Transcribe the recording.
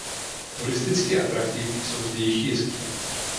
Turisticky atraktivní jsou zdejší jeskyně.